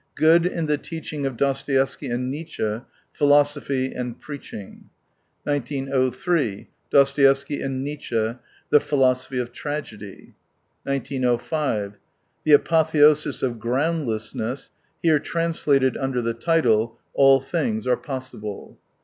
Good in the Teaching of Dostoevsky and Nietzsche : Phifosophy and Preaching. 1903. Dostoevsky and Nietzsche : The Philosophy of Tragedy. 1905. The Apotheosis of Groundlessness (here trans lated under the title "All Things are Possible